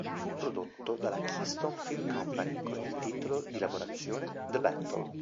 Fu prodotto dalla Keystone Film Company con il titolo di lavorazione "The Battle".